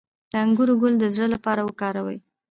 د انګور ګل د زړه لپاره وکاروئ